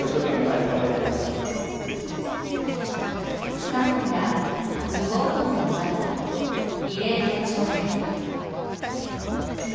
不可能や無謀とも言われた、異例の挑戦。